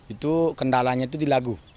itu kendalanya itu di lagu